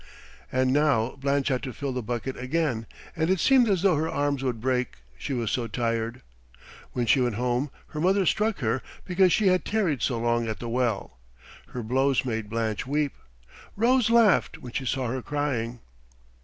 And now Blanche had to fill the bucket again, and it seemed as though her arms would break, she was so tired. When she went home her mother struck her because she had tarried so long at the well. Her blows made Blanche weep. Rose laughed when she saw her crying.